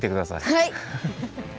はい！